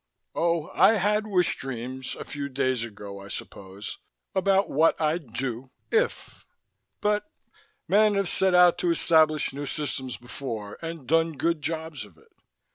Oh, I had wish dreams, a few days ago, I suppose, about what I'd do, if! But men have set out to establish new systems before, and done good jobs of it.